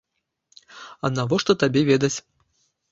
А навошта табе ведаць?